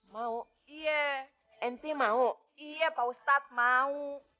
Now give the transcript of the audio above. mau iya enti mau iya pak ustadz mau